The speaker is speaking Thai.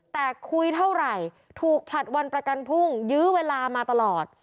แต่คุยเท่าไหร่ถูกผลัดวันประกันพุ่งยื้อเวลามาตลอด